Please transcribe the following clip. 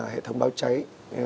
hệ thống báo cháy